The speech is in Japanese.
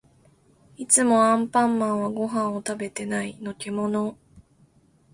いつもアンパンマンはご飯を食べてない。のけもの？